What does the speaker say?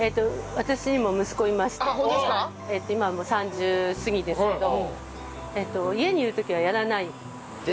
私にも息子がいまして今はもう３０過ぎですけど。家にいる時はやらないです。